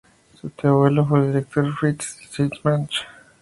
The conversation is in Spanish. Su tío abuelo fue el director Fritz Steinbach.